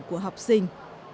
của học sinh